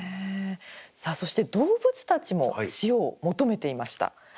さあそして動物たちも塩を求めていました。